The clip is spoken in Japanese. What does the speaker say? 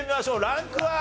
ランクは？